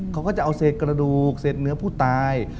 เขาก็จะเอาเศษกระดูกเศษเนื้อผู้ตาย